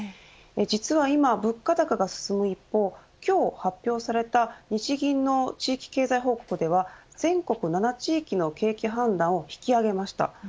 実は今、物価高が進む一方今日発表された日銀の地域経済報告では全国７地域の景気判断を引き上げました。